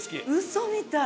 嘘みたい！